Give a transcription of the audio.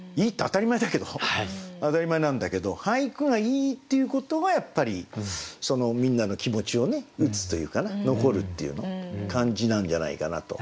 当たり前なんだけど俳句がいいっていうことはやっぱりみんなの気持ちをね打つというかね残るっていう感じなんじゃないかなと。